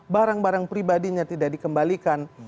barang barang pribadinya tidak dikembalikan